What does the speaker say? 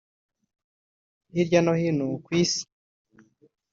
Hirya no hino ku isi